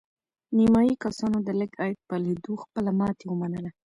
نیمایي کسانو د لږ عاید په لیدو خپله ماتې ومنله.